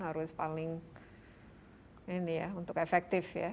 harus paling ini ya untuk efektif ya